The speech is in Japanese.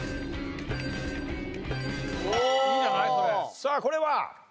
さあこれは？